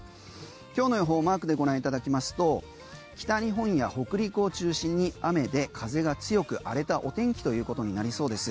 今日の予報マークでご覧いただきますと北日本や北陸を中心に雨で風が強く、荒れたお天気ということになりそうです。